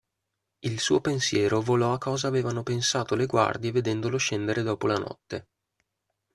Il suo pensiero volò a cosa avevano pensato le guardie vedendolo scendere dopo la notte.